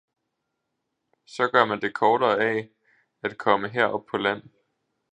Så gør man det kortere af, at komme her op på land.